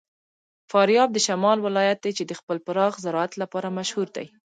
فاریاب د شمال ولایت دی چې د خپل پراخ زراعت لپاره مشهور دی.